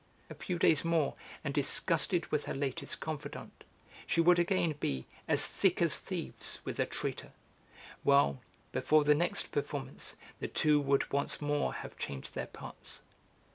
A few days more, and, disgusted with her latest confidant, she would again be 'as thick as thieves' with the traitor, while, before the next performance, the two would once more have changed their parts.